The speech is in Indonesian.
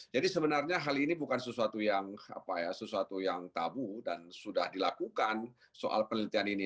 jadi sebenarnya hal ini bukan sesuatu yang tabu dan sudah dilakukan soal penelitian ini